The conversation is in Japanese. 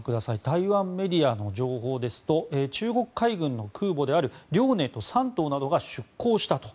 台湾メディアの情報ですと中国海軍の空母である「遼寧」と「山東」などが出港したと。